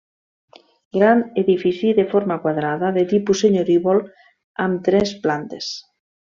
Gran edifici de forma quadrada, de tipus senyorívol, amb tres plantes.